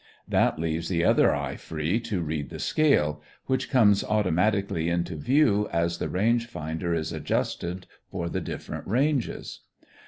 That leaves the other eye free to read the scale, which comes automatically into view as the range finder is adjusted for the different ranges.